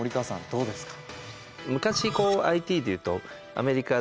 どうですか？